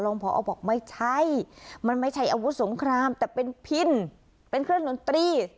พอบอกไม่ใช่มันไม่ใช่อาวุธสงครามแต่เป็นพินเป็นเครื่องดนตรี